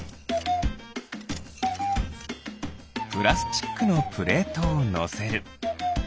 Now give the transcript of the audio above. プラスチックのプレートをのせる。